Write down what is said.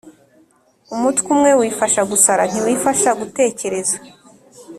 Umutwe umwe wifasha gusara, ntiwifasha gutekereza.